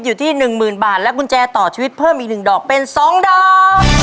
อยู่ที่หนึ่งหมื่นบาทและกุญแจต่อชีวิตเพิ่มอีกหนึ่งดอกเป็นสองดอก